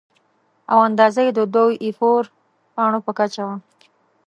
او اندازه یې د دوو اې فور پاڼو په کچه ده.